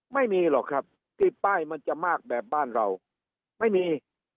ไม่มีหรอกครับที่ป้ายมันจะมากแบบบ้านเราไม่มี